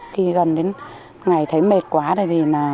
khi gần đến ngày thấy mệt quá